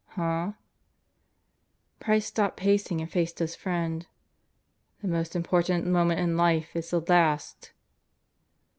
"Huh?" Price stopped pacing and faced his friend. "The most important moment in life is the last.'